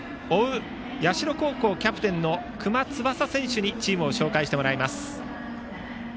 社高校キャプテンの隈翼選手にチームを紹介してもらいます。